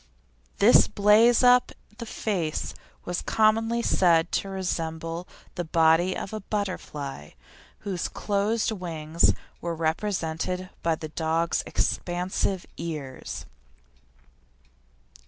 This blaze up the face was commonly said to resemble the body of a butterfly, whose closed wings were represented by the dog's expansive ears.